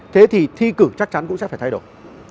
thế thì thi cử chắc chắn cũng sẽ phải thay đổi